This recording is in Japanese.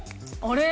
あれ？